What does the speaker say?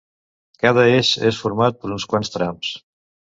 Cada eix és format per uns quants trams.